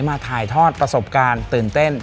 มาถ่ายทอดประสบการณ์ตื่นเต้น